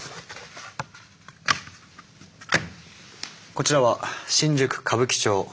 こちらは新宿・歌舞伎町。